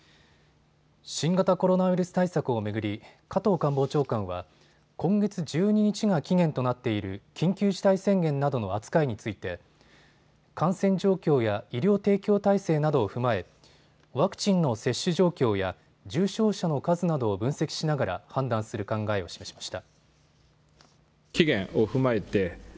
新型コロナウイルス対策を巡り加藤官房長官は今月１２日が期限となっている緊急事態宣言などの扱いについて感染状況や医療提供体制などを踏まえワクチンの接種状況や重症者の数などを分析しながら判断する考えを示しました。